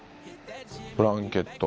ブランケット。